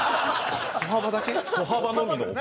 歩幅のみの。